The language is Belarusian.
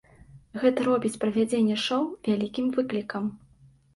Гэта робіць правядзенне шоу вялікім выклікам.